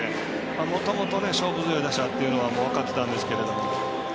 もともと勝負強い打者というのは分かってたんですけど。